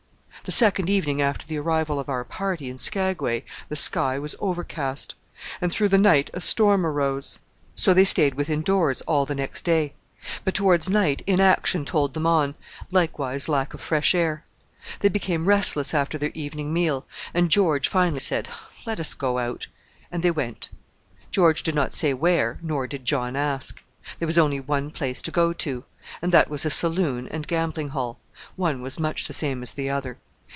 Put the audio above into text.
The second evening after the arrival of our party in Skagway the sky was overcast, and through the night a storm arose. So they stayed within doors all the next day; but towards night inaction told on them, likewise lack of fresh air. They became restless after their evening meal, and George finally said: "Let us go out" and they went. George did not say where nor did John ask. There was only one place to go to, and that was a saloon and gambling hall: one was much the same as the other.